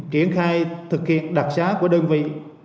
kiến khai thực hiện đặc sán của đơn vị